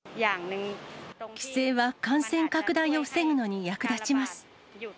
規制は感染拡大を防ぐのに役立ちます。